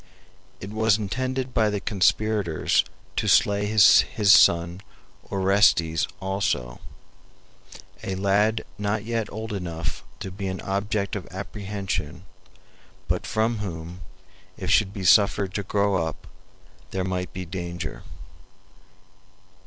It was intended by the conspirators to slay his son Orestes also, a lad not yet old enough to be an object of apprehension, but from whom, if he should be suffered to grow up, there might be danger.